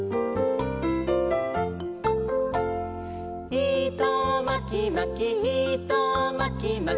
「いとまきまきいとまきまき」